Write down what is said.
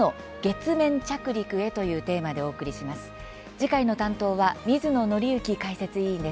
次回の担当は水野倫之解説委員です。